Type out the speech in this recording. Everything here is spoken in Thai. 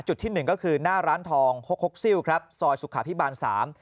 จุดที่๑ก็คือหน้าร้านทองหกซิลซอยสุขาพิบาล๓